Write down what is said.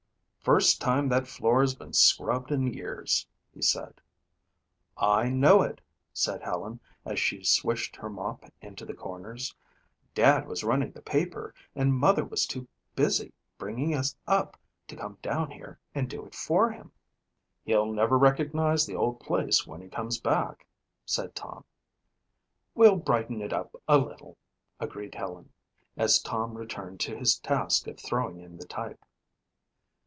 "First time that floor has been scrubbed in years," he said. "I know it," said Helen as she swished her mop into the corners. "Dad was running the paper and Mother was too busy bringing us up to come down here and do it for him." "He'll never recognize the old place when he comes back," said Tom. "We'll brighten it up a little," agreed Helen, as Tom returned to his task of throwing in the type.